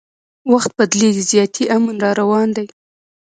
وخت بدلیږي زیاتي امن راروان دي